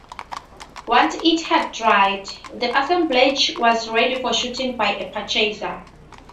Once it had dried, the assemblage was ready for shooting by a purchaser.